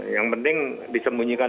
yang penting disembunyikan